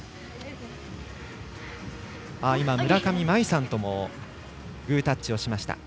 今、村上茉愛さんともグータッチをしました。